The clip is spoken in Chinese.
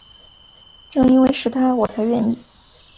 正因为是他我才愿意